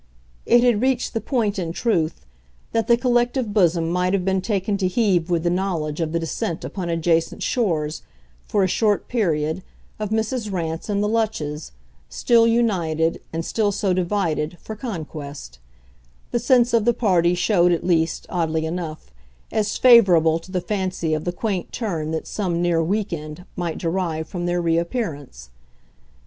It had reached the point, in truth, that the collective bosom might have been taken to heave with the knowledge of the descent upon adjacent shores, for a short period, of Mrs. Rance and the Lutches, still united, and still so divided, for conquest: the sense of the party showed at least, oddly enough, as favourable to the fancy of the quaint turn that some near "week end" might derive from their reappearance.